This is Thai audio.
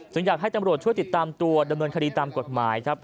ซึ่งอยากให้ตำรวจช่วยติดตามตัวดำเนินคดีตามกฎหมายครับ